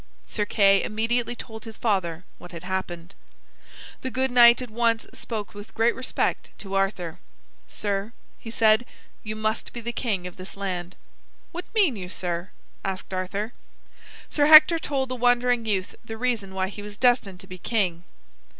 Sir Kay immediately told his father what had happened. The good knight at once spoke with great respect to Arthur. "Sir," he said, "you must be the king of this land." "What mean you, sir?" asked Arthur. Sir Hector told the wondering youth the reason why he was destined to be king.